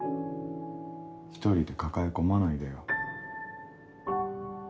一人で抱え込まないでよ。